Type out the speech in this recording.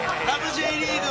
Ｊリーグ』。